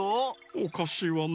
おかしいわね